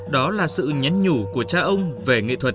đó là sự nhắn nhủ của cha ông về nghệ thuật